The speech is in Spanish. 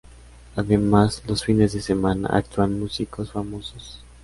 Además, los fines de semana actúan músicos famosos.